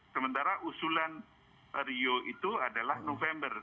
sementara usulan rio itu adalah november